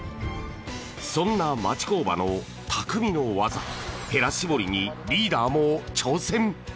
そんな町工場のたくみの技へら絞りにリーダーも挑戦！